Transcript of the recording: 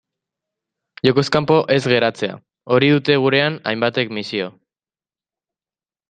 Jokoz kanpo ez geratzea, hori dute gurean hainbatek misio.